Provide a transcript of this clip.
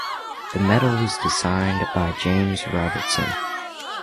The medal was designed by James Robertson.